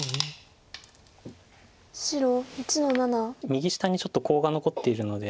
右下にちょっとコウが残ってるので。